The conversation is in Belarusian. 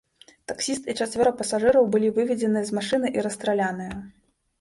Таксіст і чацвёра пасажыраў былі выведзеныя з машыны і расстраляныя.